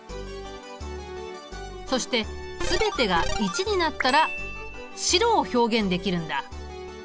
そして全てが１になったら白を表現できるんだ。